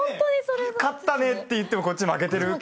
勝ったねっていってもこっち負けてるからね。